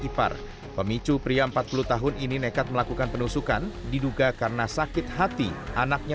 ipar pemicu pria empat puluh tahun ini nekat melakukan penusukan diduga karena sakit hati anaknya